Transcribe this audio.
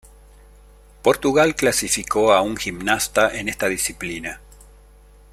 Portugal clasificó a un gimnasta en esta disciplina.